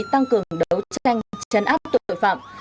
tăng cường đấu tranh chấn áp tội phạm